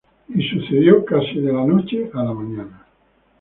Y sucedió casi de la noche a la mañana".